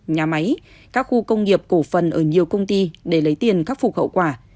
nhà máy các khu công nghiệp cổ phần ở nhiều công ty để lấy tiền khắc phục hậu quả